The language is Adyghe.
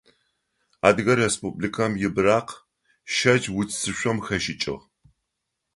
Адыгэ Республикэм и быракъ шэкӏ уцышъом хэшӏыкӏыгъ.